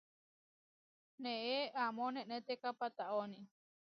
Neé amó neʼnéteka patáoni.